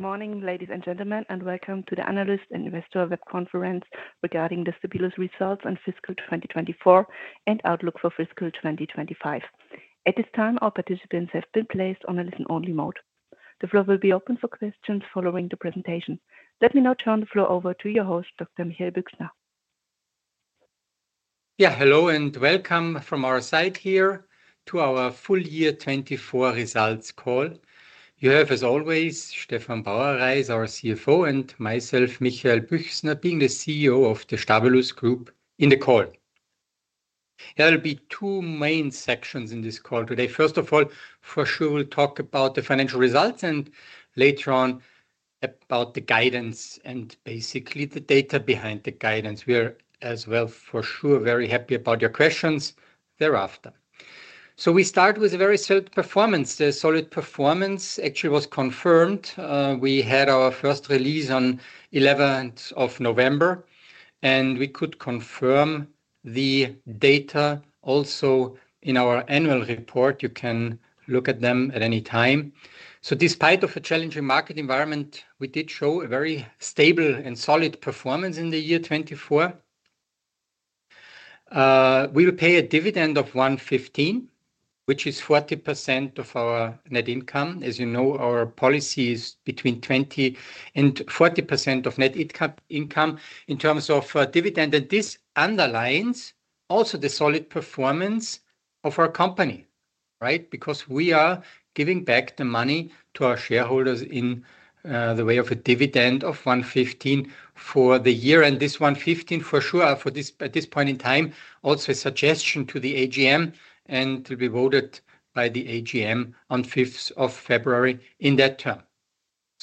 Good morning, ladies and gentlemen, and welcome to the Analysts and Investors Web Conference regarding the Stabilus results on fiscal 2024 and outlook for fiscal 2025. At this time, all participants have been placed on a listen-only mode. The floor will be open for questions following the presentation. Let me now turn the floor over to your host, Dr. Michael Büchner. Yeah, hello and welcome from our side here to our full-year 2024 results call. You have, as always, Stefan Bauerreis, our CFO, and myself, Michael Büchsner, being the CEO of the Stabilus Group in the call. There will be two main sections in this call today. First of all, for sure, we'll talk about the financial results and later on about the guidance and basically the data behind the guidance. We're as well, for sure, very happy about your questions thereafter. So we start with a very solid performance. The solid performance actually was confirmed. We had our first release on 11th of November, and we could confirm the data also in our annual report. You can look at them at any time. So despite a challenging market environment, we did show a very stable and solid performance in the year 2024. We will pay a dividend of 1.15, which is 40% of our net income. As you know, our policy is between 20% and 40% of net income in terms of dividend. This underlines also the solid performance of our company, right? Because we are giving back the money to our shareholders in the way of a dividend of 1.15 for the year. This 1.15, for sure, for this at this point in time, also a suggestion to the AGM, and it will be voted by the AGM on 5th of February in that regard.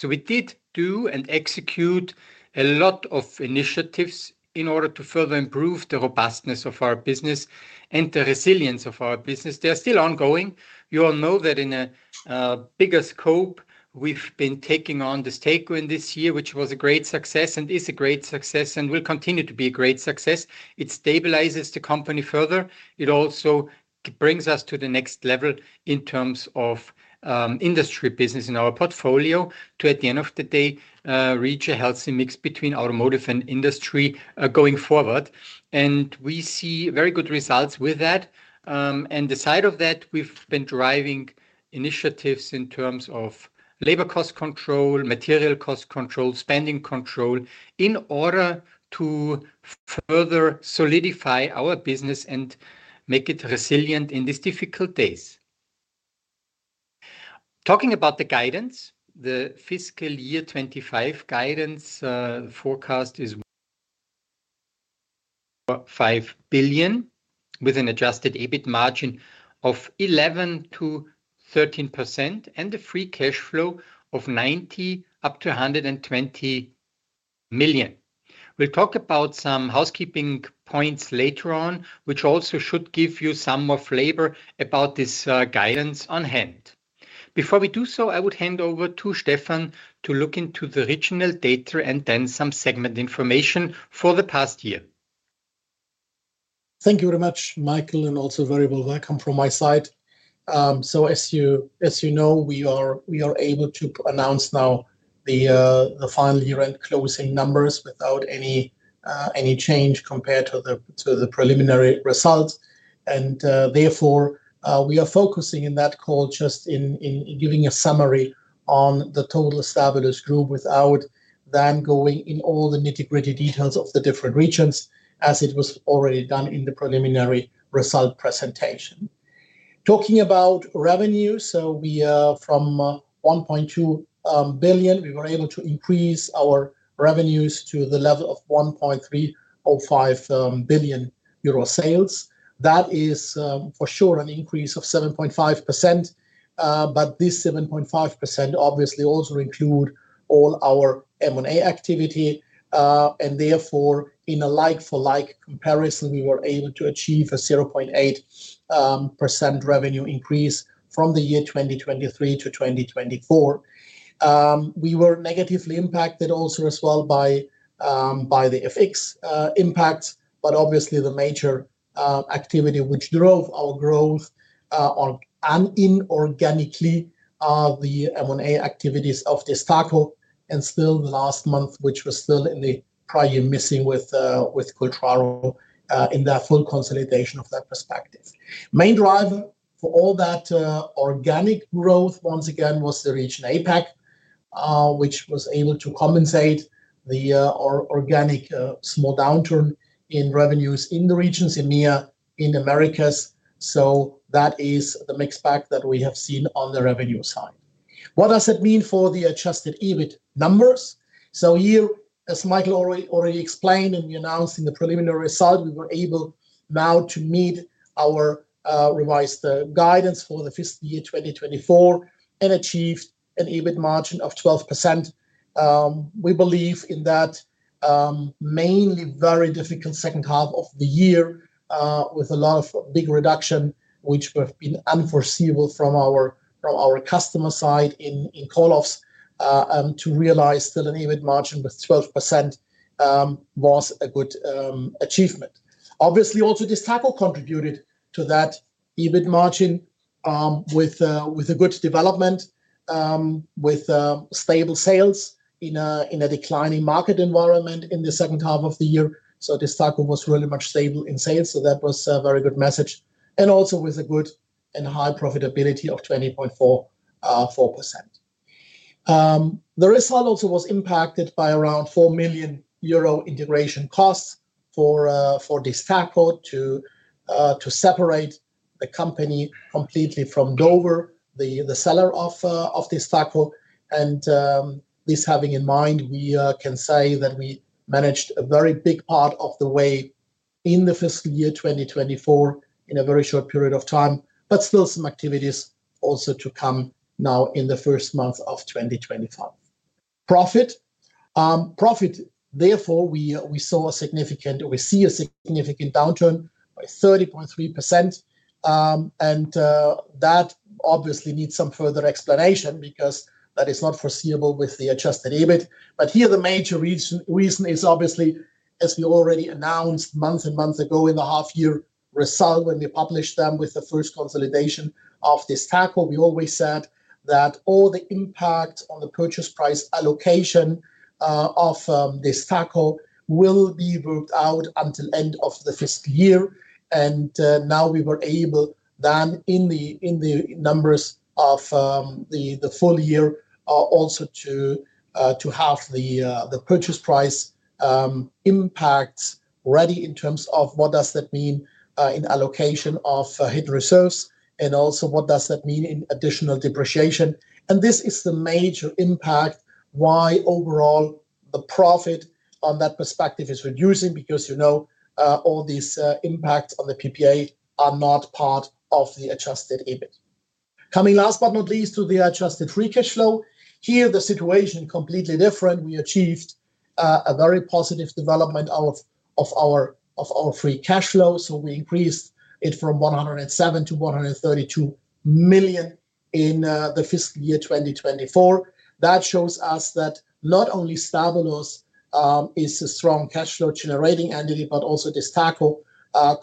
We did do and execute a lot of initiatives in order to further improve the robustness of our business and the resilience of our business. They are still ongoing. You all know that in a bigger scope, we've been taking on the stake in this year, which was a great success and is a great success and will continue to be a great success. It stabilizes the company further. It also brings us to the next level in terms of industry business in our portfolio to, at the end of the day, reach a healthy mix between automotive and industry going forward. And we see very good results with that. And the side of that, we've been driving initiatives in terms of labor cost control, material cost control, spending control in order to further solidify our business and make it resilient in these difficult days. Talking about the guidance, the fiscal year 2025 guidance forecast is 5 billion with an adjusted EBIT margin of 11%-13% and a free cash flow of 90 million up to 120 million. We'll talk about some housekeeping points later on, which also should give you some more flavor about this guidance on hand. Before we do so, I would hand over to Stefan to look into the regional data and then some segment information for the past year. Thank you very much, Michael, and also very welcome from my side. As you know, we are able to announce now the final year-end closing numbers without any change compared to the preliminary results. Therefore, we are focusing in that call just in giving a summary on the total Stabilus Group without then going in all the nitty-gritty details of the different regions as it was already done in the preliminary result presentation. Talking about revenues, we are from 1.2 billion. We were able to increase our revenues to the level of 1.305 billion Euro sales. That is for sure an increase of 7.5%, but this 7.5% obviously also includes all our M&A activity. Therefore, in a like-for-like comparison, we were able to achieve a 0.8% revenue increase from the year 2023 to 2024. We were negatively impacted as well by the FX impacts, but obviously the major activity which drove our growth in inorganically the M&A activities of the DESTACO and still the last month, which was still in the prior missing with Cultraro in that full consolidation of that perspective. Main driver for all that organic growth once again was the region APAC, which was able to compensate the organic small downturn in revenues in the regions, EMEA and Americas. So that is the mixed picture that we have seen on the revenue side. What does it mean for the Adjusted EBIT numbers? So here, as Michael already explained and we announced in the preliminary result, we were able now to meet our revised guidance for the fiscal year 2024 and achieved an EBIT margin of 12%. We believe that in that mainly very difficult second half of the year with a lot of big reduction, which would have been unforeseeable from our customer side in call-offs, to realize still an EBIT margin with 12% was a good achievement. Obviously, also the DESTACO contributed to that EBIT margin with a good development, with stable sales in a declining market environment in the second half of the year. So the DESTACO was really much stable in sales. So that was a very good message and also with a good and high profitability of 20.4%. The result also was impacted by around 4 million euro integration costs for the DESTACO to separate the company completely from Dover, the seller of the DESTACO. This having in mind, we can say that we managed a very big part of the way in the fiscal year 2024 in a very short period of time, but still some activities also to come now in the first month of 2025. Profit. Therefore, we saw a significant or we see a significant downturn by 30.3%. That obviously needs some further explanation because that is not foreseeable with the adjusted EBIT. Here the major reason is obviously, as we already announced months and months ago in the half-year result when we published them with the first consolidation of DESTACO, we always said that all the impact on the purchase price allocation of DESTACO will be worked out until the end of the fiscal year. Now we were able then in the numbers of the full year also to have the purchase price impact ready in terms of what does that mean in allocation of hidden reserves and also what does that mean in additional depreciation. This is the major impact why overall the profit on that perspective is reducing because you know all these impacts on the PPA are not part of the adjusted EBIT. Coming last but not least to the adjusted free cash flow, here the situation is completely different. We achieved a very positive development of our free cash flow. We increased it from 107 million to 132 million in the fiscal year 2024. That shows us that not only Stabilus is a strong cash flow generating entity, but also DESTACO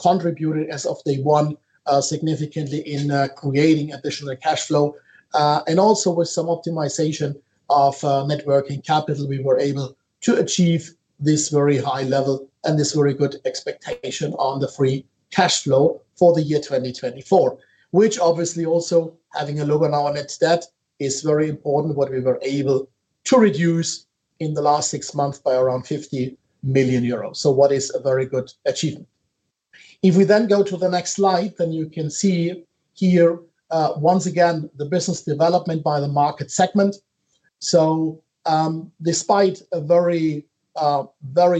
contributed as of day one significantly in creating additional cash flow. And also with some optimization of net working capital, we were able to achieve this very high level and this very good expectation on the free cash flow for the year 2024, which obviously also having a look on our net debt is very important what we were able to reduce in the last six months by around 50 million euros. So what is a very good achievement. If we then go to the next slide, then you can see here once again the business development by the market segment. So despite a very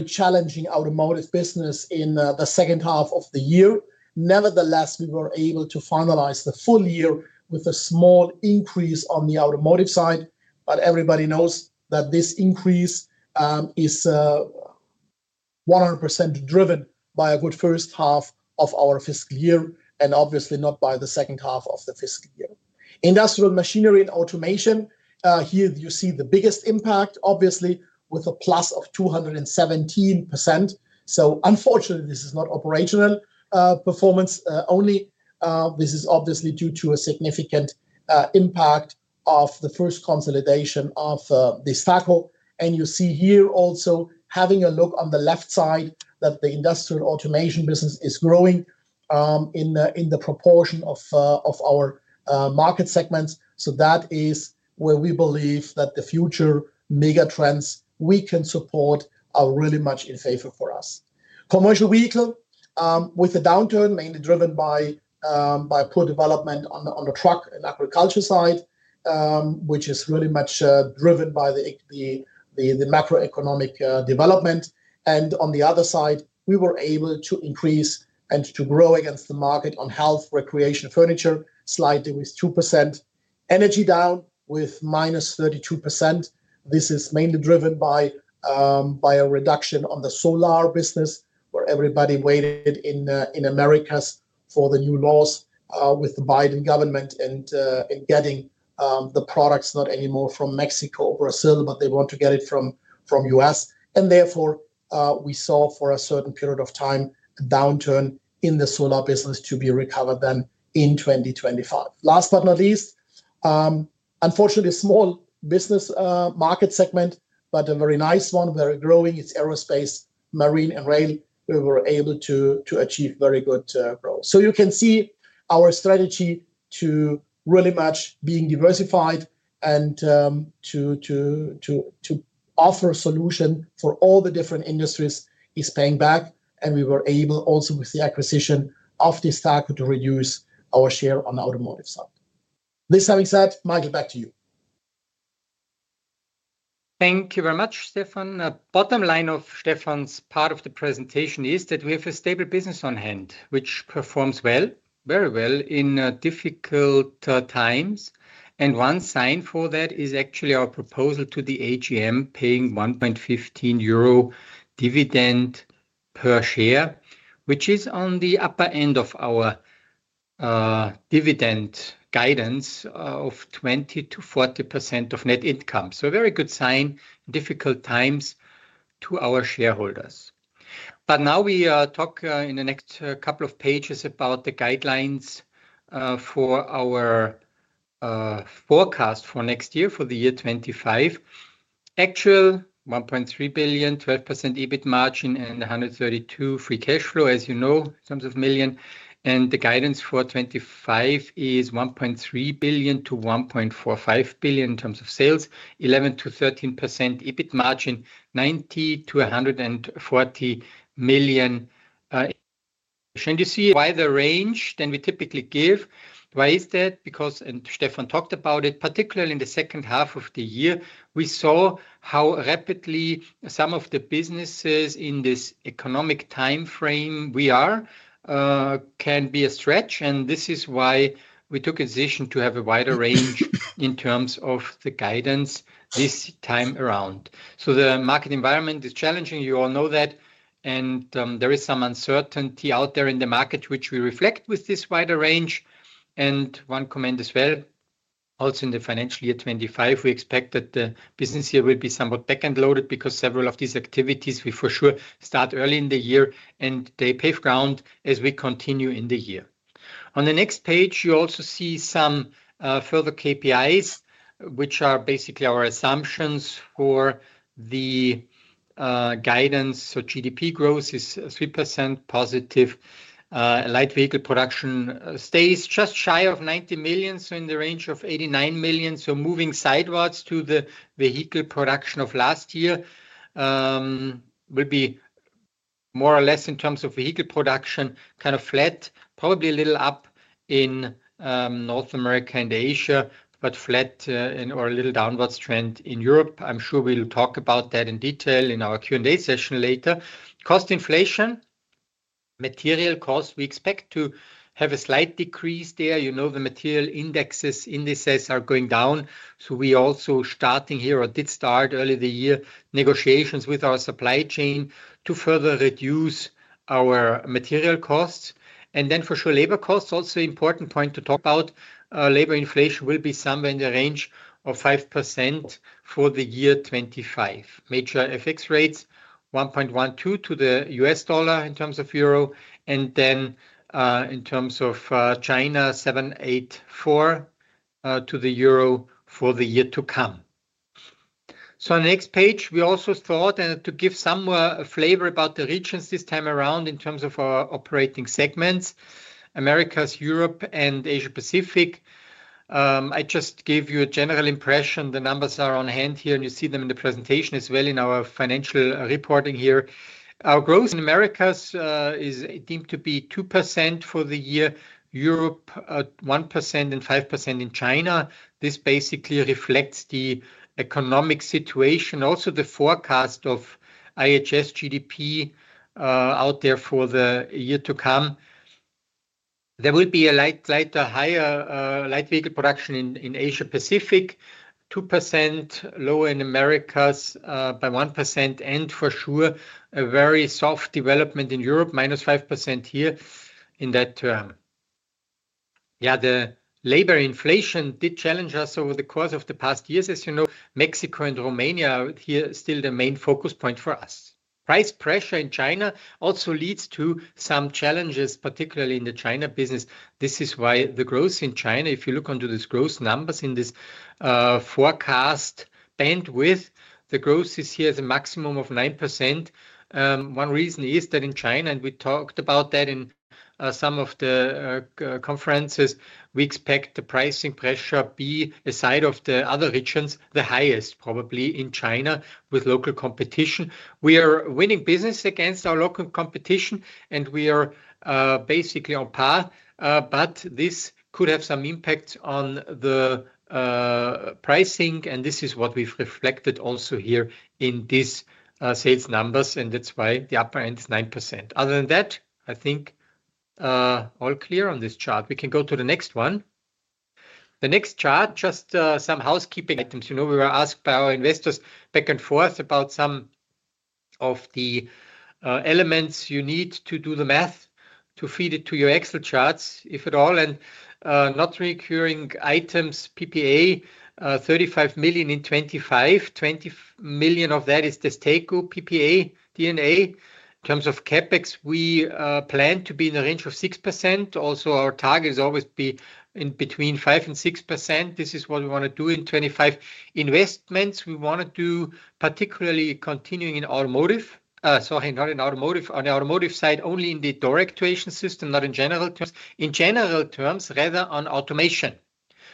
challenging automotive business in the second half of the year, nevertheless, we were able to finalize the full year with a small increase on the automotive side. But everybody knows that this increase is 100% driven by a good first half of our fiscal year and obviously not by the second half of the fiscal year. Industrial machinery and automation, here you see the biggest impact obviously with a plus of 217%, so unfortunately, this is not operational performance only, this is obviously due to a significant impact of the first consolidation of the DESTACO, and you see here also having a look on the left side that the industrial automation business is growing in the proportion of our market segments, so that is where we believe that the future mega trends we can support are really much in favor for us, commercial vehicle with a downturn mainly driven by poor development on the truck and agriculture side, which is really much driven by the macroeconomic development, and on the other side, we were able to increase and to grow against the market on health, recreation, furniture slightly with 2%, energy down with minus 32%. This is mainly driven by a reduction on the solar business where everybody waited in America for the new laws with the Biden government and getting the products not anymore from Mexico or Brazil, but they want to get it from the U.S., and therefore, we saw for a certain period of time a downturn in the solar business to be recovered then in 2025. Last but not least, unfortunately, a small business market segment, but a very nice one, very growing. It's aerospace, marine, and rail. We were able to achieve very good growth. So you can see our strategy to really much being diversified and to offer a solution for all the different industries is paying back, and we were able also with the acquisition of the DESTACO to reduce our share on the automotive side. This having said, Michael, back to you. Thank you very much, Stefan. Bottom line of Stefan's part of the presentation is that we have a stable business on hand, which performs well, very well in difficult times. And one sign for that is actually our proposal to the AGM paying 1.15 euro dividend per share, which is on the upper end of our dividend guidance of 20%-40% of net income. So a very good sign, difficult times to our shareholders. But now we talk in the next couple of pages about the guidelines for our forecast for next year for the year 2025. Actual 1.3 billion, 12% EBIT margin and 132 million free cash flow, as you know, in terms of million. And the guidance for 2025 is 1.3 billion-1.45 billion in terms of sales, 11%-13% EBIT margin, 90-140 million in. You see why the range is wider than we typically give. Why is that? Because, and Stefan talked about it, particularly in the second half of the year, we saw how rapidly some of the businesses in this economic time frame we are in can be a stretch. This is why we took a decision to have a wider range in terms of the guidance this time around. The market environment is challenging, you all know that. There is some uncertainty out there in the market, which we reflect with this wider range. One comment as well, also in the financial year 2025, we expect that the business year will be somewhat back-loaded because several of these activities we for sure start early in the year and they gain ground as we continue in the year. On the next page, you also see some further KPIs, which are basically our assumptions for the guidance. So GDP growth is 3% positive. Light vehicle production stays just shy of 90 million, so in the range of 89 million. So moving sideways to the vehicle production of last year will be more or less in terms of vehicle production kind of flat, probably a little up in North America and Asia, but flat or a little downward trend in Europe. I'm sure we'll talk about that in detail in our Q&A session later. Cost inflation, material cost, we expect to have a slight decrease there. You know the material indexes in these days are going down. So we also starting here or did start early this year negotiations with our supply chain to further reduce our material costs. And then for sure labor costs, also important point to talk about. Labor inflation will be somewhere in the range of 5% for the year 2025. Major FX rates, 1.12 to the US dollar in terms of euro and then in terms of China, 7.84 to the euro for the year to come. So on the next page, we also thought to give some flavor about the regions this time around in terms of our operating segments, Americas, Europe, and Asia-Pacific. I just gave you a general impression. The numbers are on hand here and you see them in the presentation as well in our financial reporting here. Our growth in Americas is deemed to be 2% for the year, Europe 1% and 5% in China. This basically reflects the economic situation, also the forecast of IHS GDP out there for the year to come. There will be a slight higher light vehicle production in Asia-Pacific, 2% lower in Americas by 1% and for sure a very soft development in Europe, -5% here in that term. Yeah, the labor inflation did challenge us over the course of the past years, as you know, Mexico and Romania here still the main focus point for us. Price pressure in China also leads to some challenges, particularly in the China business. This is why the growth in China, if you look onto this growth numbers in this forecast bandwidth, the growth is here as a maximum of 9%. One reason is that in China, and we talked about that in some of the conferences, we expect the pricing pressure be aside of the other regions, the highest probably in China with local competition. We are winning business against our local competition and we are basically on par, but this could have some impact on the pricing. This is what we've reflected also here in these sales numbers. That's why the upper end is 9%. Other than that, I think all clear on this chart. We can go to the next one. The next chart, just some housekeeping items. You know we were asked by our investors back and forth about some of the elements you need to do the math to feed it to your Excel charts, if at all. Non-Recurring items, PPA, 35 million in 2025. 20 million of that is the DESTACO PPA in NA. In terms of CapEx, we plan to be in the range of 6%. Also our target is always to be in between 5% and 6%. This is what we want to do in 2025. Investments, we want to do particularly continuing in automotive. Sorry, not in automotive. On the automotive side, only in the Door Actuation System, not in general terms. In general terms, rather on automation.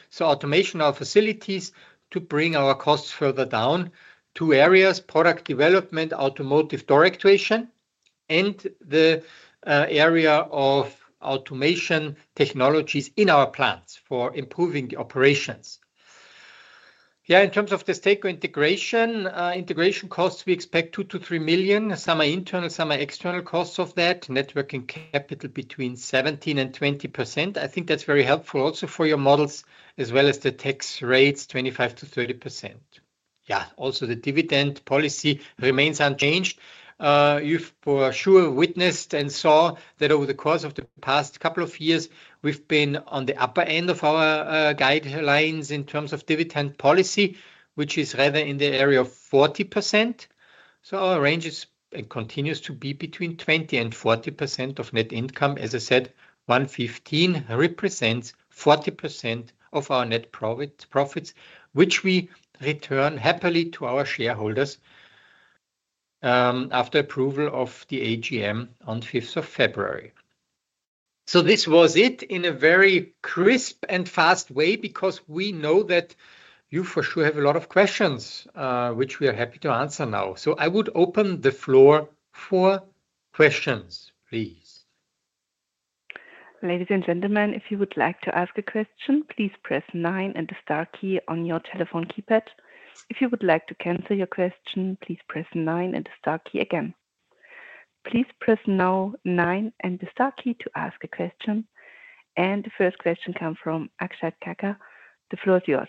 So automation of facilities to bring our costs further down to areas, product development, automotive Door Actuation, and the area of automation technologies in our plants for improving the operations. Yeah, in terms of the DESTACO integration, integration costs, we expect 2million - 3 million. Some are internal, some are external costs of that. Net Working Capital between 17%-20%. I think that's very helpful also for your models as well as the tax rates, 25%-30%. Yeah, also the dividend policy remains unchanged. You've for sure witnessed and saw that over the course of the past couple of years, we've been on the upper end of our guidelines in terms of dividend policy, which is rather in the area of 40%. So our range continues to be between 20% and 40% of net income. As I said, 1.15 represents 40% of our net profits, which we return happily to our shareholders after approval of the AGM on 5th of February. So this was it in a very crisp and fast way because we know that you for sure have a lot of questions, which we are happy to answer now. So I would open the floor for questions, please. Ladies and gentlemen, if you would like to ask a question, please press 9 and the star key on your telephone keypad. If you would like to cancel your question, please press 9 and the star key again. Please press now 9 and the star key to ask a question. And the first question comes from Akshat Kacker. The floor is yours.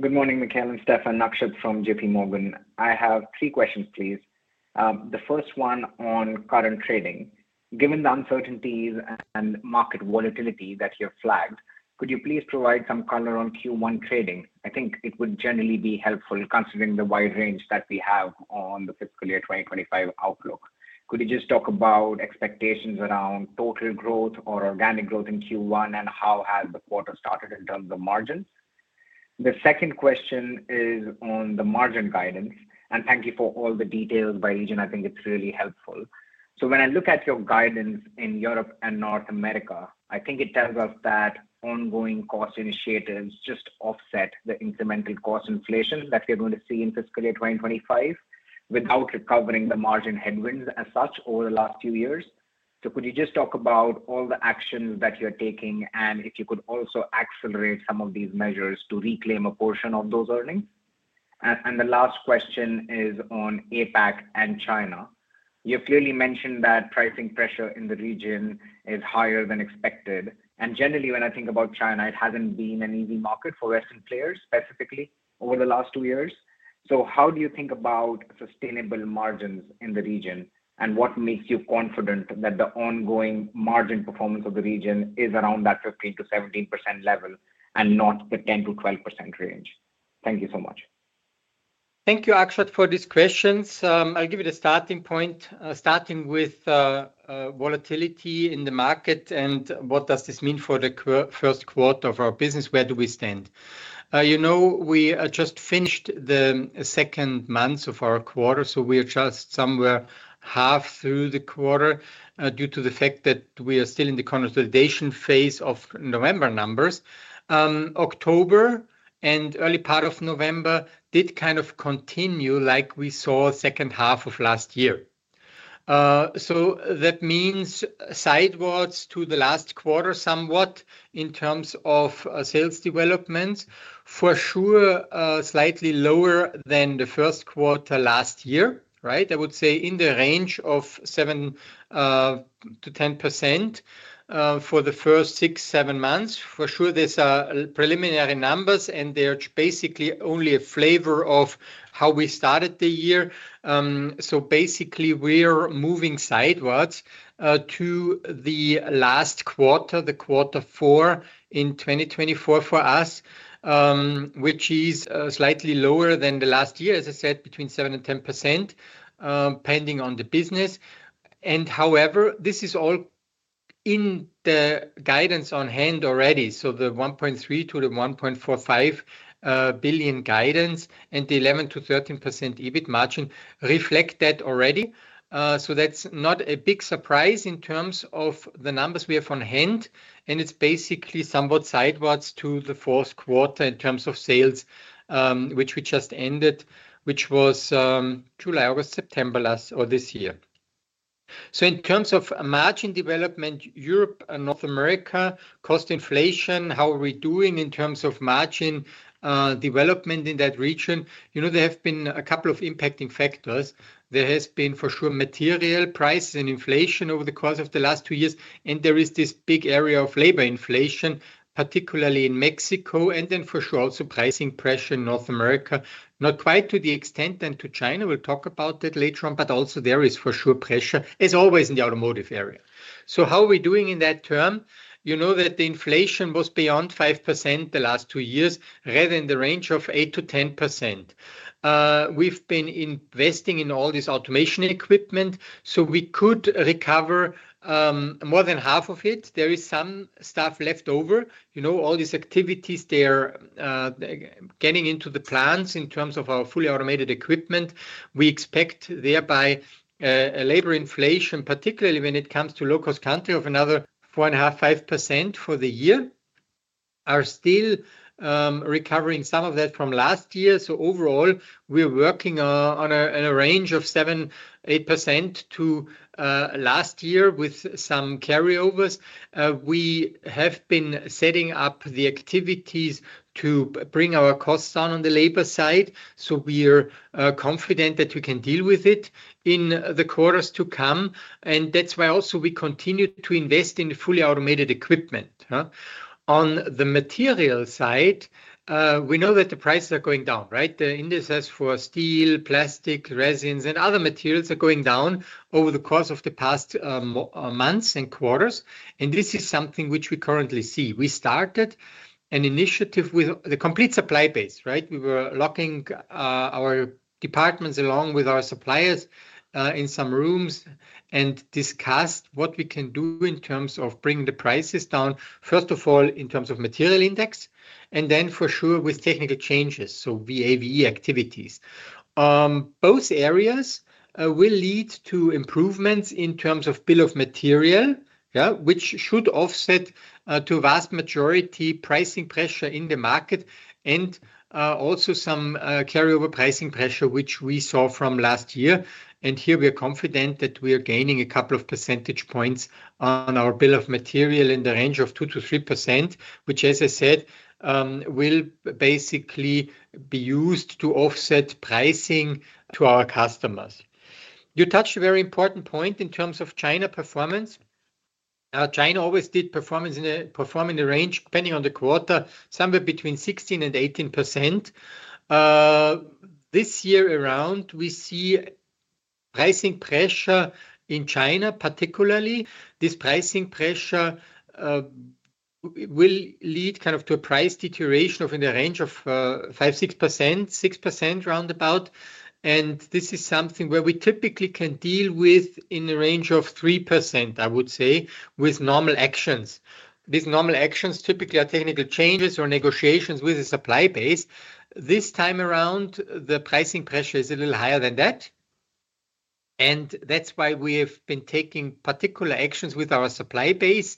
Good morning, Michael and Stefan. Akshat from J.P. Morgan. I have three questions, please. The first one on current trading. Given the uncertainties and market volatility that you have flagged, could you please provide some color on Q1 trading? I think it would generally be helpful considering the wide range that we have on the fiscal year 2025 outlook. Could you just talk about expectations around total growth or organic growth in Q1 and how has the quarter started in terms of margins? The second question is on the margin guidance. And thank you for all the details by region. I think it's really helpful. So when I look at your guidance in Europe and North America, I think it tells us that ongoing cost initiatives just offset the incremental cost inflation that we're going to see in fiscal year 2025 without recovering the margin headwinds as such over the last few years. So could you just talk about all the actions that you're taking and if you could also accelerate some of these measures to reclaim a portion of those earnings? And the last question is on APAC and China. You've clearly mentioned that pricing pressure in the region is higher than expected. And generally, when I think about China, it hasn't been an easy market for Western players specifically over the last two years. So how do you think about sustainable margins in the region and what makes you confident that the ongoing margin performance of the region is around that 15%-17% level and not the 10%-12% range? Thank you so much. Thank you, Akshat, for these questions. I'll give you the starting point, starting with volatility in the market and what does this mean for the first quarter of our business, where do we stand? You know we just finished the second month of our quarter, so we are just somewhere half through the quarter due to the fact that we are still in the consolidation phase of November numbers. October and early part of November did kind of continue like we saw second half of last year. So that means sidewards to the last quarter somewhat in terms of sales development. For sure, slightly lower than the first quarter last year, right? I would say in the range of 7%-10% for the first six, seven months. For sure, there's preliminary numbers and they're basically only a flavor of how we started the year. Basically, we're moving sideways to the last quarter, the quarter four in 2024 for us, which is slightly lower than the last year, as I said, between 7%-10% depending on the business. However, this is all in the guidance on hand already. The €1.3 billion-€1.45 billion guidance and the 11%-13% EBIT margin reflect that already. That's not a big surprise in terms of the numbers we have on hand. It's basically somewhat sideways to the fourth quarter in terms of sales, which we just ended, which was July, August, September last or this year. In terms of margin development, Europe and North America, cost inflation, how are we doing in terms of margin development in that region? You know there have been a couple of impacting factors. There has been for sure material prices and inflation over the course of the last two years. There is this big area of labor inflation, particularly in Mexico. Then for sure also pricing pressure in North America, not quite to the extent and to China. We'll talk about that later on. But also there is for sure pressure, as always in the automotive area. So how are we doing in that term? You know that the inflation was beyond 5% the last two years, rather in the range of 8%-10%. We've been investing in all this automation equipment, so we could recover more than half of it. There is some stuff left over. You know all these activities they're getting into the plants in terms of our fully automated equipment. We expect thereby labor inflation, particularly when it comes to low-cost countries of another 4.5% for the year. We are still recovering some of that from last year. So overall, we're working on a range of 7%-8% to last year with some carryovers. We have been setting up the activities to bring our costs down on the labor side. So we're confident that we can deal with it in the quarters to come, and that's why also we continue to invest in fully automated equipment. On the material side, we know that the prices are going down, right? The indices for steel, plastic, resins, and other materials are going down over the course of the past months and quarters. And this is something which we currently see. We started an initiative with the complete supply base, right? We were locking our departments along with our suppliers in some rooms and discussed what we can do in terms of bringing the prices down, first of all, in terms of material index, and then for sure with technical changes, so VAVE activities. Both areas will lead to improvements in terms of bill of material, which should offset to a vast majority pricing pressure in the market and also some carryover pricing pressure, which we saw from last year. And here we are confident that we are gaining a couple of percentage points on our bill of material in the range of 2%-3%, which, as I said, will basically be used to offset pricing to our customers. You touched a very important point in terms of China performance. China always did perform in the range, depending on the quarter, somewhere between 16% and 18%. This year around, we see pricing pressure in China, particularly. This pricing pressure will lead kind of to a price deterioration of, in the range of 5-6%, 6% roundabout. And this is something where we typically can deal with in the range of 3%, I would say, with normal actions. These normal actions typically are technical changes or negotiations with the supply base. This time around, the pricing pressure is a little higher than that, and that's why we have been taking particular actions with our supply base,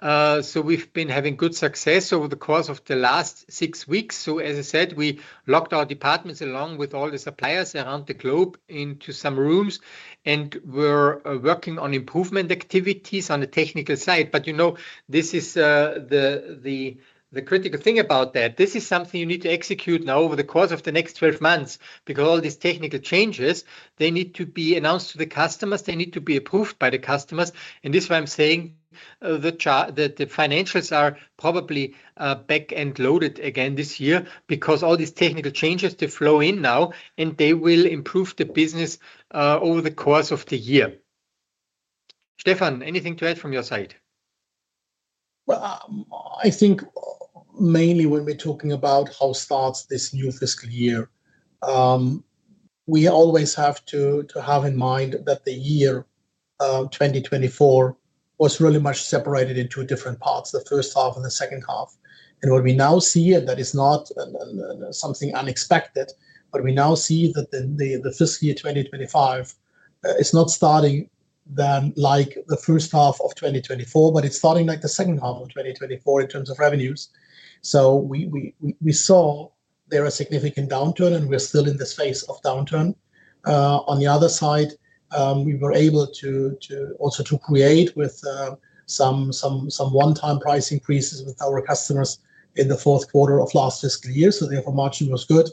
so we've been having good success over the course of the last six weeks, so, as I said, we locked our departments along with all the suppliers around the globe into some rooms and were working on improvement activities on the technical side, but you know this is the critical thing about that. This is something you need to execute now over the course of the next 12 months because all these technical changes, they need to be announced to the customers. They need to be approved by the customers, and this is why I'm saying that the financials are probably back-loaded again this year because all these technical changes to flow in now and they will improve the business over the course of the year. Stefan, anything to add from your side? Well, I think mainly when we're talking about how this starts this new fiscal year, we always have to have in mind that the year 2024 was really much separated into different parts, the first half and the second half. And what we now see, and that is not something unexpected, but we now see that the fiscal year 2025 is not starting like the first half of 2024, but it's starting like the second half of 2024 in terms of revenues. So we saw there was a significant downturn and we're still in the space of downturn. On the other side, we were able to also create with some one-time price increases with our customers in the fourth quarter of last fiscal year. So therefore, margin was good.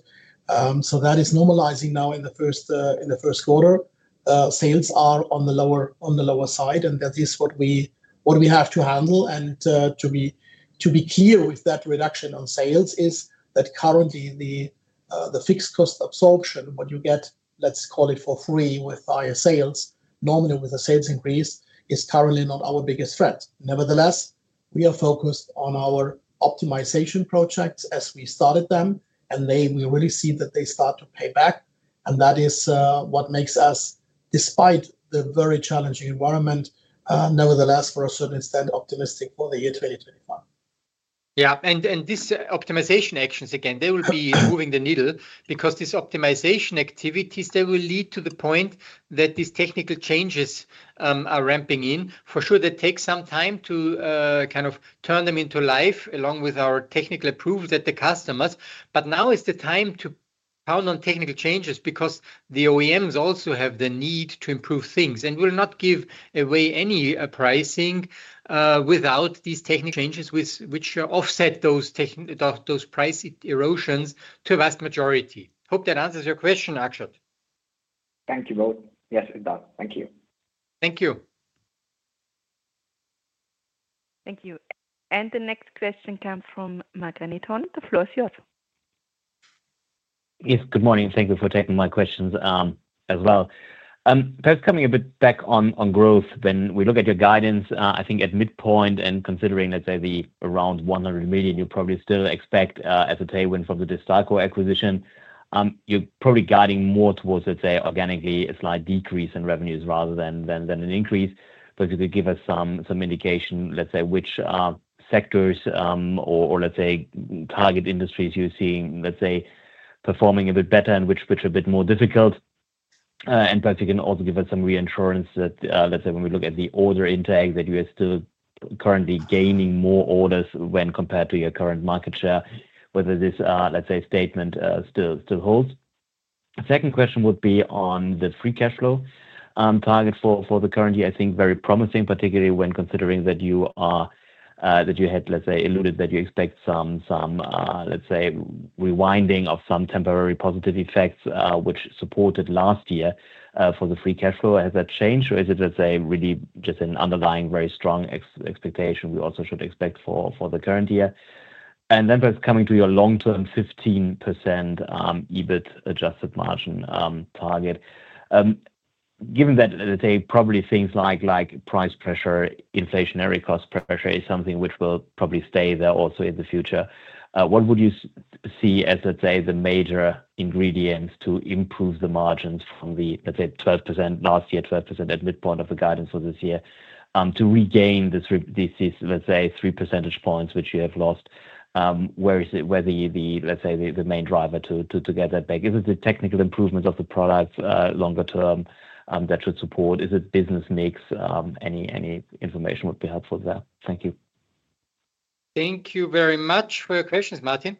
So that is normalizing now in the first quarter. Sales are on the lower side, and that is what we have to handle. And to be clear with that reduction on sales is that currently the fixed cost absorption, what you get, let's call it for free with higher sales, normally with a sales increase, is currently not our biggest threat. Nevertheless, we are focused on our optimization projects as we started them, and we really see that they start to pay back. And that is what makes us, despite the very challenging environment, nevertheless, to a certain extent, optimistic for the year 2025. Yeah. And these optimization actions, again, they will be moving the needle because these optimization activities, they will lead to the point that these technical changes are ramping in. For sure, they take some time to kind of bring them to life along with our technical approvals at the customers. But now is the time to pound on technical changes because the OEMs also have the need to improve things and will not give away any pricing without these technical changes, which offset those price erosions to a vast majority. Hope that answers your question, Akshat. Thank you both. Yes, it does. Thank you. Thank you. Thank you, and the next question comes from Marc-René Tonn. The floor is yours. Yes, good morning. Thank you for taking my questions as well. First, coming a bit back on growth, when we look at your guidance, I think at midpoint and considering, let's say, the around 100 million, you probably still expect as a tailwind from the DESTACO acquisition, you're probably guiding more towards, let's say, organically a slight decrease in revenues rather than an increase. But if you could give us some indication, let's say, which sectors or, let's say, target industries you're seeing, let's say, performing a bit better and which are a bit more difficult. Perhaps you can also give us some reassurance that, let's say, when we look at the order intake, that you are still currently gaining more orders when compared to your current market share, whether this, let's say, statement still holds. The second question would be on the Free Cash Flow targets for the current year. I think very promising, particularly when considering that you had, let's say, alluded that you expect some, let's say, rewinding of some temporary positive effects which supported last year for the Free Cash Flow. Has that changed or is it, let's say, really just an underlying very strong expectation we also should expect for the current year? Then perhaps coming to your long-term 15% Adjusted EBIT margin target. Given that, let's say, probably things like price pressure, inflationary cost pressure is something which will probably stay there also in the future. What would you see as, let's say, the major ingredients to improve the margins from the, let's say, 12% last year, 12% at midpoint of the guidance for this year to regain this, let's say, three percentage points which you have lost? Where is it, let's say, the main driver to get that back? Is it the technical improvements of the products longer term that should support? Is it business mix? Any information would be helpful there. Thank you. Thank you very much for your questions, Martin.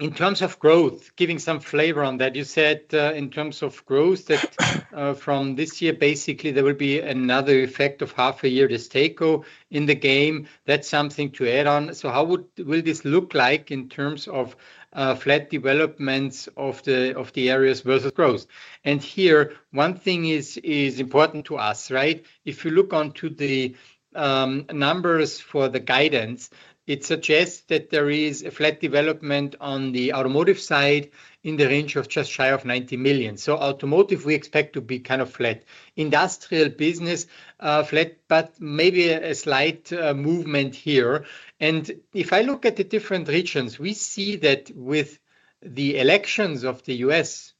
In terms of growth, giving some flavor on that, you said in terms of growth that from this year, basically, there will be another effect of half a year DESTACO in the game. That's something to add on. So how will this look like in terms of flat developments of the areas versus growth? And here, one thing is important to us, right? If you look at the numbers for the guidance, it suggests that there is a flat development on the automotive side in the range of just shy of 90 million. So automotive, we expect to be kind of flat. Industrial business, flat, but maybe a slight movement here. And if I look at the different regions, we see that with the elections in the U.S.,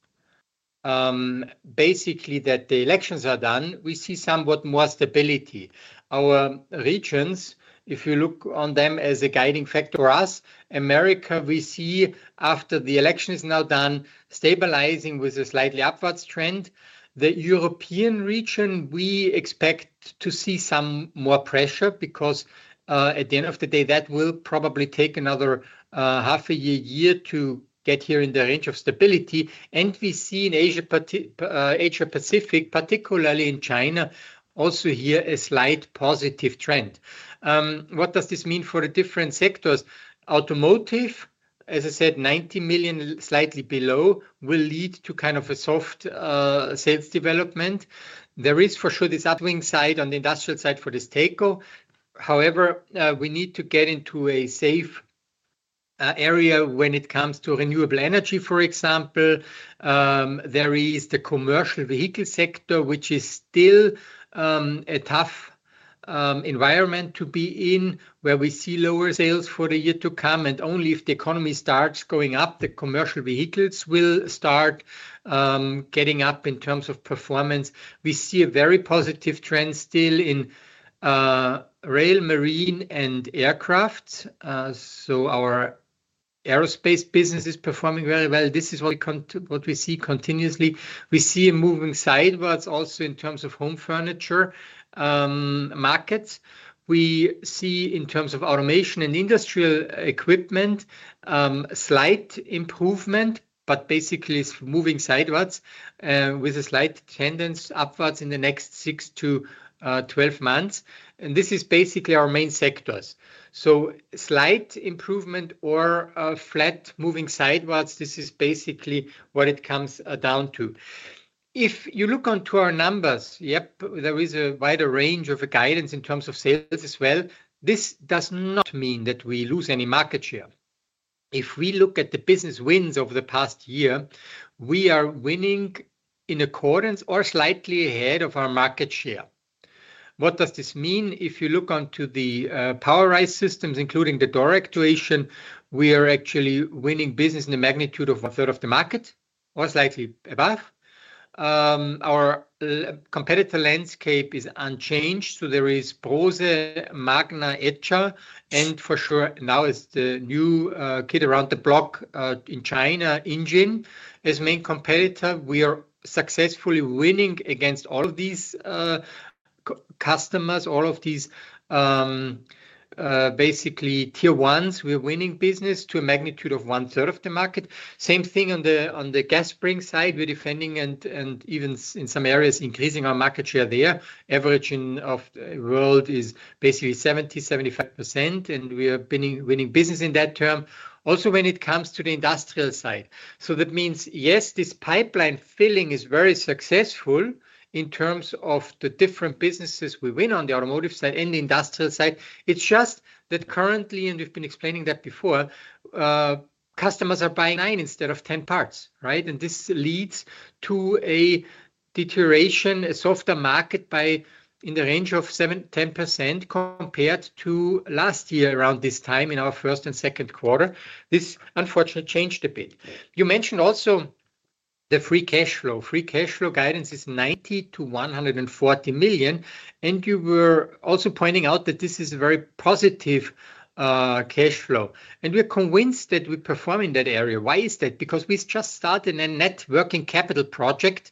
basically that the elections are done, we see somewhat more stability. Our regions, if you look on them as a guiding factor for us, America, we see after the election is now done, stabilizing with a slightly upwards trend. The European region, we expect to see some more pressure because at the end of the day, that will probably take another half a year, year to get here in the range of stability. We see in Asia Pacific, particularly in China, also here a slight positive trend. What does this mean for the different sectors? Automotive, as I said, 90 million slightly below will lead to kind of a soft sales development. There is for sure this upswing side on the industrial side for this takeover. However, we need to get into a safe area when it comes to renewable energy, for example. There is the commercial vehicle sector, which is still a tough environment to be in where we see lower sales for the year to come. And only if the economy starts going up, the commercial vehicles will start getting up in terms of performance. We see a very positive trend still in rail, marine, and aircraft. So our aerospace business is performing very well. This is what we see continuously. We see a moving sideways also in terms of home furniture markets. We see in terms of automation and industrial equipment, slight improvement, but basically it's moving sideways with a slight tendency upwards in the next six to 12 months. And this is basically our main sectors. So slight improvement or flat moving sideways, this is basically what it comes down to. If you look onto our numbers, yep, there is a wider range of guidance in terms of sales as well. This does not mean that we lose any market share. If we look at the business wins over the past year, we are winning in accordance or slightly ahead of our market share. What does this mean? If you look onto the POWERISE systems, including the door actuation, we are actually winning business in the magnitude of one-third of the market or slightly above. Our competitor landscape is unchanged. So there is Brose, Magna, Edscha, and for sure now is the new kid around the block in China, Anjun as main competitor. We are successfully winning against all of these customers, all of these basically tier ones. We're winning business to a magnitude of one-third of the market. Same thing on the gas spring side. We're defending and even in some areas increasing our market share there. Averaging of the world is basically 70%-75%, and we are winning business in that term. Also when it comes to the industrial side. So that means, yes, this pipeline filling is very successful in terms of the different businesses we win on the automotive side and the industrial side. It's just that currently, and we've been explaining that before, customers are buying nine instead of 10 parts, right? And this leads to a deterioration, a softer market by in the range of 7%-10% compared to last year around this time in our first and second quarter. This unfortunately changed a bit. You mentioned also the Free Cash Flow. Free Cash Flow guidance is 90 million-140 million. And you were also pointing out that this is a very positive cash flow. We're convinced that we perform in that area. Why is that? Because we just started a net working capital project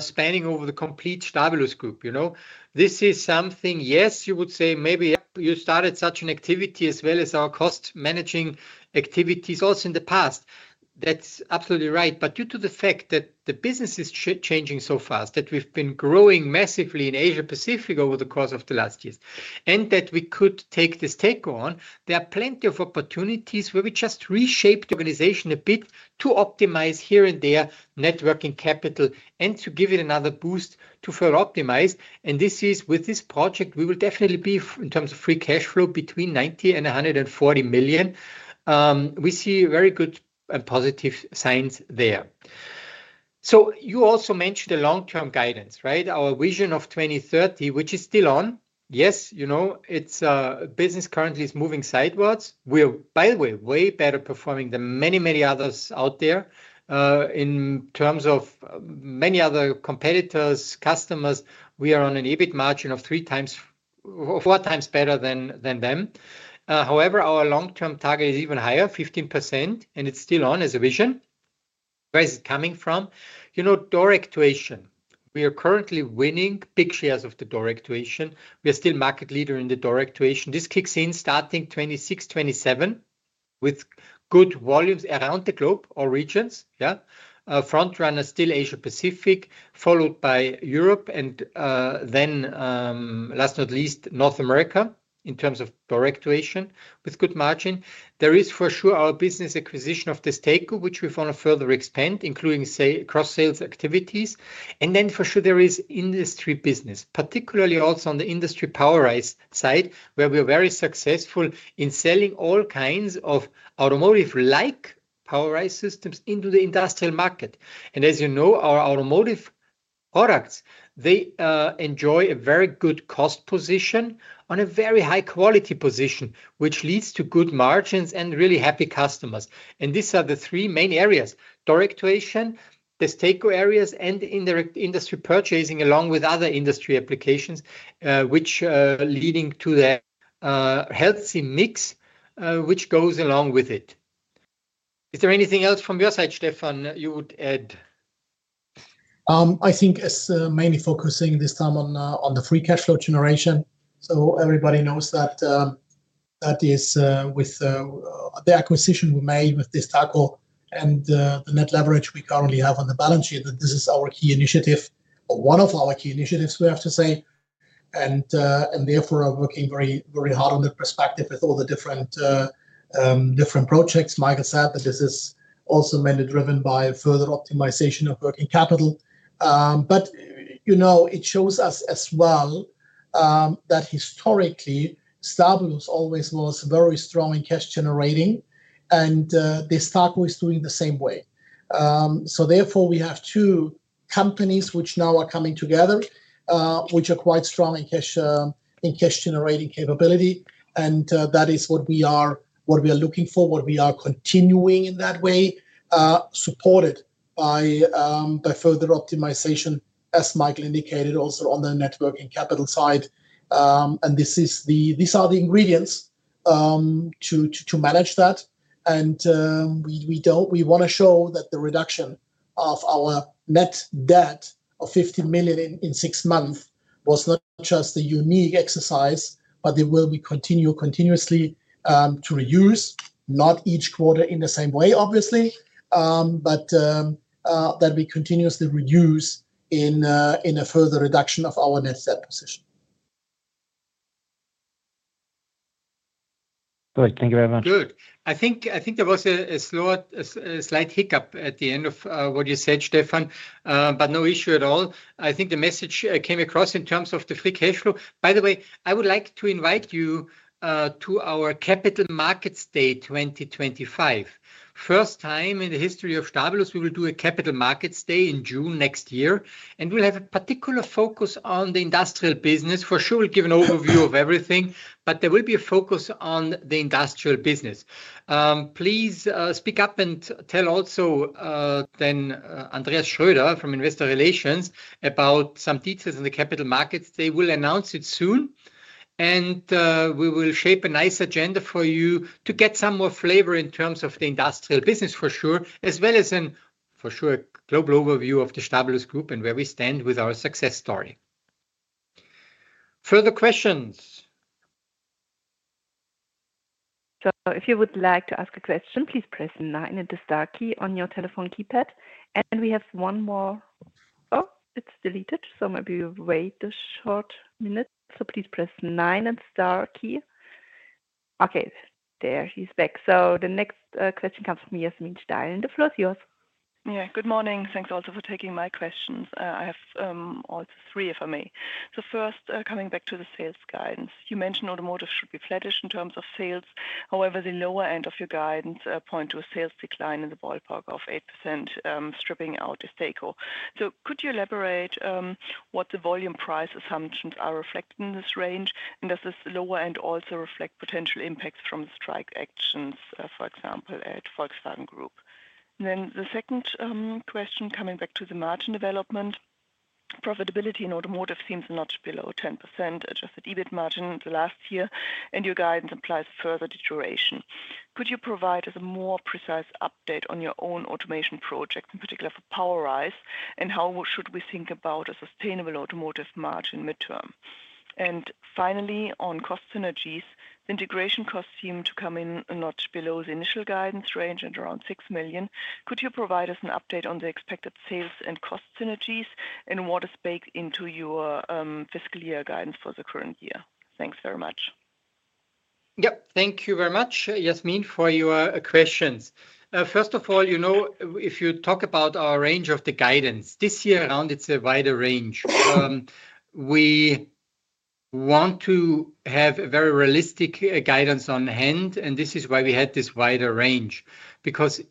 spanning over the complete Stabilus Group. You know, this is something, yes, you would say maybe you started such an activity as well as our cost managing activities also in the past. That's absolutely right. But due to the fact that the business is changing so fast, that we've been growing massively in Asia-Pacific over the course of the last years, and that we could take this on, there are plenty of opportunities where we just reshaped the organization a bit to optimize here and there net working capital and to give it another boost to further optimize. And with this project, we will definitely be in terms of free cash flow between €90 million and €140 million. We see very good and positive signs there. So you also mentioned a long-term guidance, right? Our vision of 2030, which is still on. Yes, you know, it's business currently is moving sidewards. We are, by the way, way better performing than many, many others out there in terms of many other competitors, customers. We are on an EBIT margin of three times or four times better than them. However, our long-term target is even higher, 15%, and it's still on as a vision. Where is it coming from? You know, door actuation. We are currently winning big shares of the door actuation. We are still market leader in the door actuation. This kicks in starting 2026, 2027 with good volumes around the globe or regions. Yeah. Front runner still Asia Pacific, followed by Europe and then last but not least, North America in terms of door actuation with good margin. There is for sure our business acquisition of this takeover, which we want to further expand, including cross-sales activities. And then for sure there is industry business, particularly also on the industry POWERISE side where we are very successful in selling all kinds of automotive-like POWERISE systems into the industrial market. And as you know, our automotive products, they enjoy a very good cost position on a very high quality position, which leads to good margins and really happy customers. And these are the three main areas: door actuation, DESTACO areas, and indirect industry purchasing along with other industry applications, which are leading to the healthy mix which goes along with it. Is there anything else from your side, Stefan, you would add? I think it's mainly focusing this time on the Free Cash Flow generation, so everybody knows that that is with the acquisition we made with DESTACO and the net leverage we currently have on the balance sheet, that this is our key initiative, one of our key initiatives, we have to say, and therefore I'm working very, very hard on the perspective with all the different projects. Michael said that this is also mainly driven by further optimization of working capital, but you know, it shows us as well that historically, Stabilus always was very strong in cash generating, and DESTACO is doing the same way, so therefore we have two companies which now are coming together, which are quite strong in cash generating capability. That is what we are looking for, what we are continuing in that way, supported by further optimization, as Michael indicated also on the net working capital side. These are the ingredients to manage that. We want to show that the reduction of our Net Debt of 50 million in six months was not just a unique exercise, but there will continue continuously to reduce, not each quarter in the same way, obviously, but that we continuously reduce in a further reduction of our Net Debt position. Good. Thank you very much. Good. I think there was a slight hiccup at the end of what you said, Stefan, but no issue at all. I think the message came across in terms of the free cash flow. By the way, I would like to invite you to our Capital Markets Day 2025. First time in the history of Stabilus, we will do a Capital Markets Day in June next year, and we'll have a particular focus on the industrial business. For sure, we'll give an overview of everything, but there will be a focus on the industrial business. Please speak up and tell also then Andreas Schröder from Investor Relations about some details on the Capital Markets Day. We'll announce it soon. We will shape a nice agenda for you to get some more flavor in terms of the industrial business for sure, as well as for sure a global overview of the Stabilus Group and where we stand with our success story. Further questions? So if you would like to ask a question, please press nine and the star key on your telephone keypad. And we have one more. Oh, it's deleted. So maybe we wait a short minute. So please press nine and star key. Okay. There, she's back. So the next question comes from Yasmin Steilen. The floor is yours. Yeah. Good morning. Thanks also for taking my questions. I have also three if I may. So first, coming back to the sales guidance, you mentioned automotive should be flattish in terms of sales. However, the lower end of your guidance points to a sales decline in the ballpark of 8%, stripping out DESTACO. So could you elaborate what the volume price assumptions are reflecting in this range? And does this lower end also reflect potential impacts from the strike actions, for example, at Volkswagen Group? Then the second question, coming back to the margin development, profitability in automotive seems not below 10% adjusted EBIT margin the last year, and your guidance implies further deterioration. Could you provide us a more precise update on your own automation projects, in particular for POWERISE, and how should we think about a sustainable automotive margin midterm? Finally, on cost synergies, the integration costs seem to come in not below the initial guidance range at around 6 million. Could you provide us an update on the expected sales and cost synergies and what is baked into your fiscal year guidance for the current year? Thanks very much. Yep. Thank you very much, Yasmin, for your questions. First of all, you know, if you talk about our range of the guidance, this year around, it's a wider range. We want to have a very realistic guidance on hand, and this is why we had this wider range, because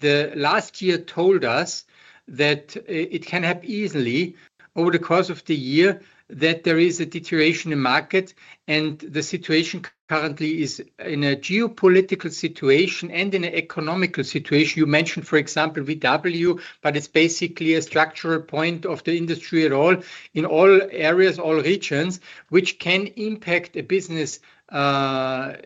the last year told us that it can happen easily over the course of the year that there is a deterioration in market and the situation currently is in a geopolitical situation and in an economic situation. You mentioned, for example, VW, but it's basically a structural point of the industry at all in all areas, all regions, which can impact a business in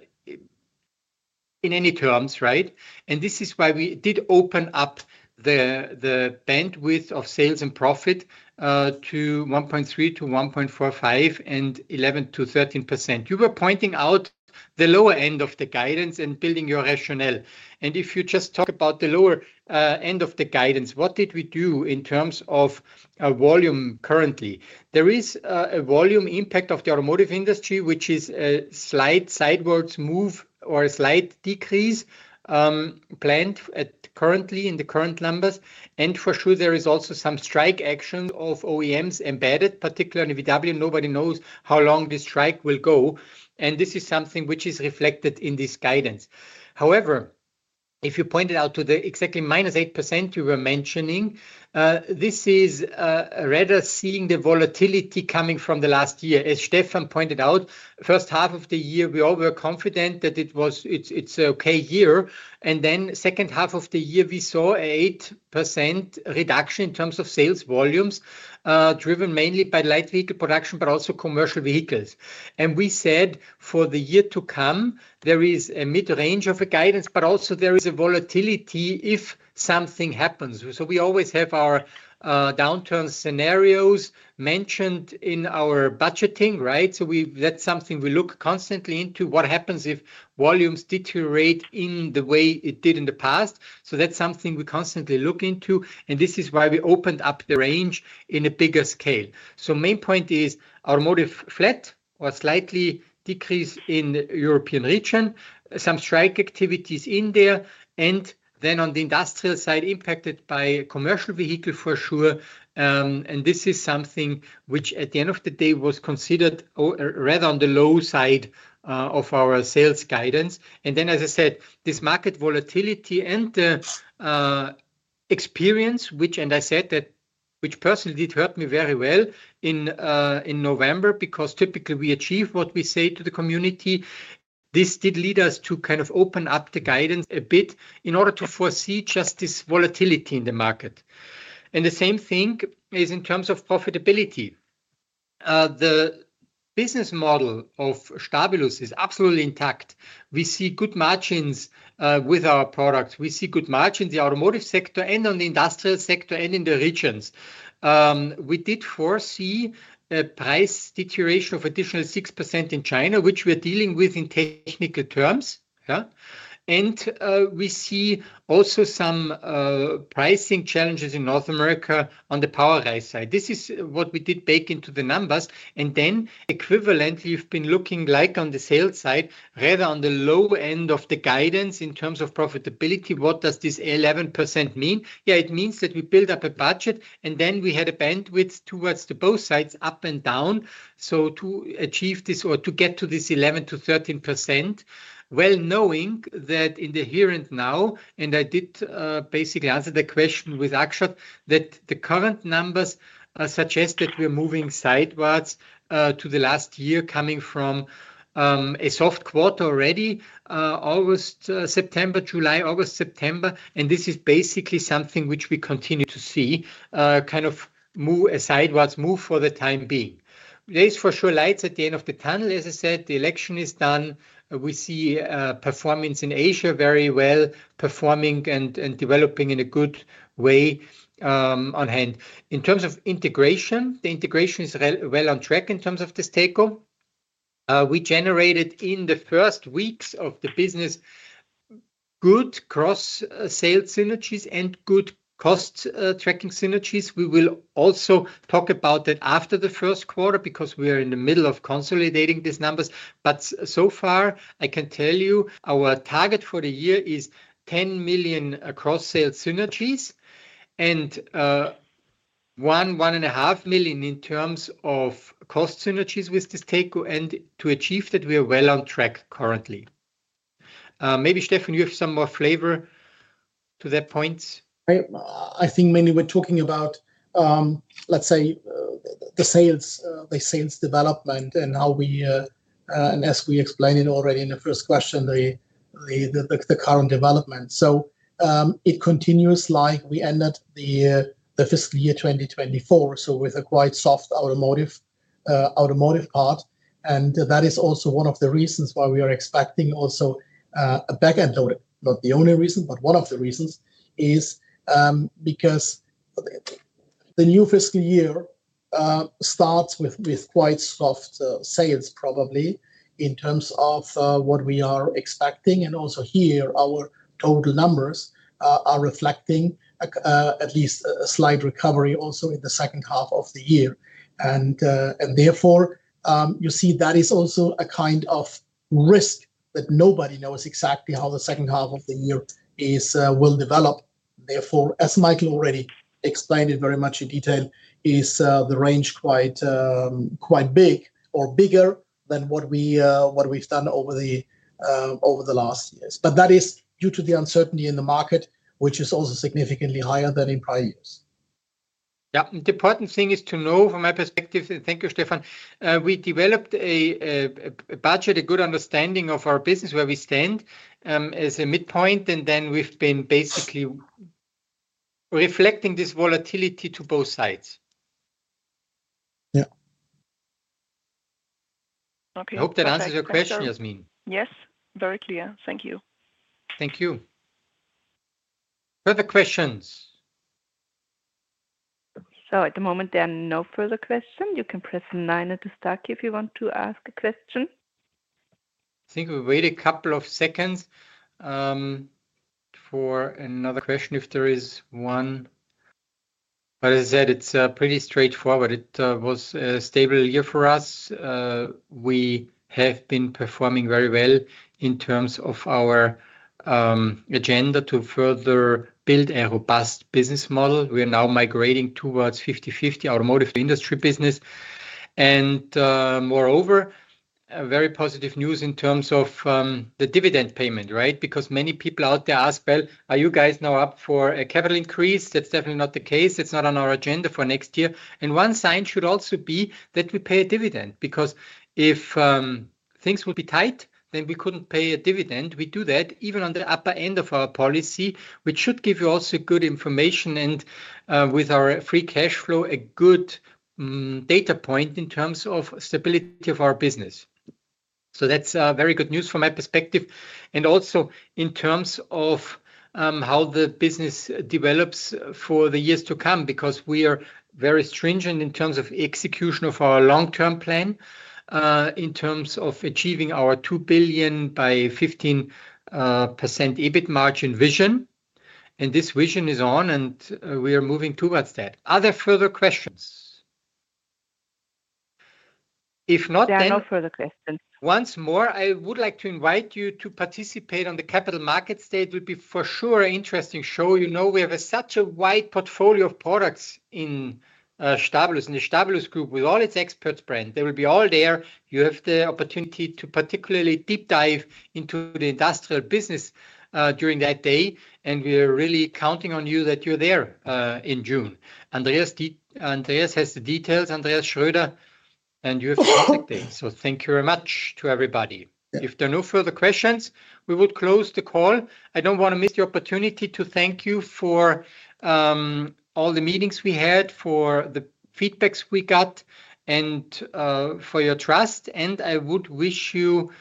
any terms, right, and this is why we did open up the bandwidth of sales and profit to 1.3-1.45 and 11%-13%. You were pointing out the lower end of the guidance and building your rationale. And if you just talk about the lower end of the guidance, what did we do in terms of volume currently? There is a volume impact of the automotive industry, which is a slight sideways move or a slight decrease planned currently in the current numbers. And for sure, there is also some strike action of OEMs embedded, particularly VW. Nobody knows how long this strike will go. And this is something which is reflected in this guidance. However, if you pointed out to the exactly -8% you were mentioning, this is rather seeing the volatility coming from the last year. As Stefan pointed out, first half of the year, we all were confident that it was an okay year. Then second half of the year, we saw an eight% reduction in terms of sales volumes driven mainly by light vehicle production, but also commercial vehicles. We said for the year to come, there is a mid-range of a guidance, but also there is a volatility if something happens. We always have our downturn scenarios mentioned in our budgeting, right? That is something we look constantly into. What happens if volumes deteriorate in the way it did in the past? That is something we constantly look into. This is why we opened up the range in a bigger scale. Main point is automotive flat or slightly decrease in the European region, some strike activities in there, and then on the industrial side, impacted by commercial vehicle for sure. And this is something which at the end of the day was considered rather on the low side of our sales guidance. And then, as I said, this market volatility and the experience, which personally did hurt me very well in November, because typically we achieve what we say to the community. This did lead us to kind of open up the guidance a bit in order to foresee just this volatility in the market. And the same thing is in terms of profitability. The business model of Stabilus is absolutely intact. We see good margins with our products. We see good margins in the automotive sector and on the industrial sector and in the regions. We did foresee a price deterioration of additional 6% in China, which we are dealing with in technical terms. Yeah. And we see also some pricing challenges in North America on the power rise side. This is what we did bake into the numbers. And then equivalent, you've been looking like on the sales side, rather on the low end of the guidance in terms of profitability. What does this 11% mean? Yeah, it means that we build up a budget and then we had a bandwidth towards the both sides up and down. So to achieve this or to get to this 11%-13%, well knowing that in the here and now, and I did basically answer the question with Akshat, that the current numbers suggest that we're moving sidewards to the last year coming from a soft quarter already, August, September, July, August, September. And this is basically something which we continue to see kind of move sidewards, move for the time being. There is for sure light at the end of the tunnel. As I said, the election is done. We see performance in Asia very well performing and developing in a good way on the one hand. In terms of integration, the integration is well on track in terms of DESTACO. We generated in the first weeks of the business good cross-sales synergies and good cost-cutting synergies. We will also talk about that after the first quarter because we are in the middle of consolidating these numbers. But so far, I can tell you our target for the year is 10 million cross-sales synergies and 1 to 1.5 million in terms of cost synergies with DESTACO. And to achieve that, we are well on track currently. Maybe Stefan, you have some more flavor to that point. I think mainly we're talking about, let's say, the sales, the sales development and how we, and as we explained it already in the first question, the current development, so it continues like we ended the fiscal year 2024, so with a quite soft automotive part, and that is also one of the reasons why we are expecting also a back-end loaded. Not the only reason, but one of the reasons is because the new fiscal year starts with quite soft sales, probably in terms of what we are expecting, and also here, our total numbers are reflecting at least a slight recovery also in the second half of the year, and therefore, you see that is also a kind of risk that nobody knows exactly how the second half of the year will develop. Therefore, as Michael already explained it very much in detail, is the range quite big or bigger than what we've done over the last years. But that is due to the uncertainty in the market, which is also significantly higher than in prior years. Yeah. The important thing is to know from my perspective, and thank you, Stefan. We developed a budget, a good understanding of our business where we stand as a midpoint, and then we've been basically reflecting this volatility to both sides. Yeah. Okay. I hope that answers your question, Yasmin. Yes. Very clear. Thank you. Thank you. Further questions? So at the moment, there are no further questions. You can press star nine if you want to ask a question. I think we wait a couple of seconds for another question if there is one, but as I said, it's pretty straightforward. It was a stable year for us. We have been performing very well in terms of our agenda to further build a robust business model. We are now migrating towards 50/50 automotive industry business, and moreover, very positive news in terms of the dividend payment, right? Because many people out there ask, well, are you guys now up for a capital increase? That's definitely not the case. It's not on our agenda for next year, and one sign should also be that we pay a dividend because if things will be tight, then we couldn't pay a dividend. We do that even on the upper end of our policy, which should give you also good information and with our free cash flow, a good data point in terms of stability of our business. So that's very good news from my perspective. And also in terms of how the business develops for the years to come because we are very stringent in terms of execution of our long-term plan in terms of achieving our €2 billion by 15% EBIT margin vision. And this vision is on and we are moving towards that. Other further questions? If not, then. There are no further questions. Once more, I would like to invite you to participate on the Capital Markets Day. It will be for sure an interesting show. You know, we have such a wide portfolio of products in Stabilus and the Stabilus Group with all its expert brands. They will be all there. You have the opportunity to particularly deep dive into the industrial business during that day. And we are really counting on you that you're there in June. Andreas has the details, Andreas Schröder, and you have the product day. So thank you very much to everybody. If there are no further questions, we would close the call. I don't want to miss the opportunity to thank you for all the meetings we had, for the feedback we got, and for your trust. And I would wish you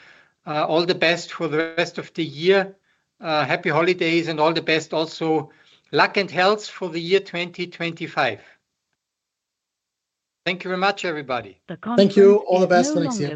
all the best for the rest of the year. Happy holidays and all the best. Also luck and health for the year 2025. Thank you very much, everybody. Thank you. All the best.